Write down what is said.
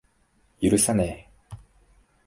許さねぇ。